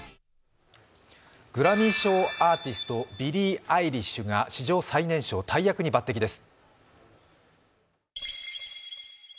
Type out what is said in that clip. グラミー賞アーティスト、ビリー・アイリッシュが史上最年少、大役に抜てきです。